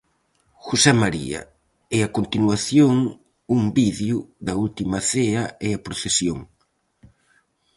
José María e a continuación un vídeo da última cea e a procesión.